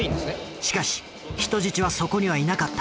しかし人質はそこにはいなかった。